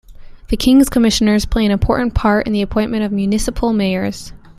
The King's Commissioners play an important part in the appointment of municipal mayors.